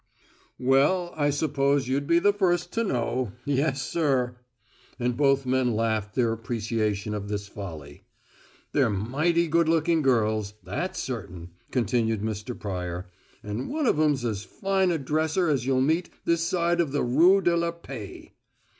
"Well, I suppose you'd be the first to know! Yes sir." And both men laughed their appreciation of this folly. "They're mighty good looking girls, that's certain," continued Mr. Pryor. "And one of 'em's as fine a dresser as you'll meet this side the Rue de la Paix."